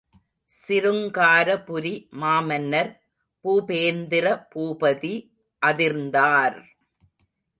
சிருங்காரபுரி மாமன்னர் பூபேந்திர பூபதி அதிர்ந்தார்!